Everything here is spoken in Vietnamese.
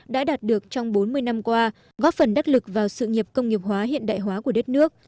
đã đạt được trong bốn mươi năm qua góp phần đắc lực vào sự nghiệp công nghiệp hóa hiện đại hóa của đất nước